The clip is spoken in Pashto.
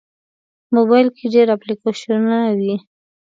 موبایل کې ډېر اپلیکیشنونه وي.